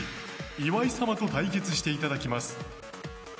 ・岩井様と対決していただきます。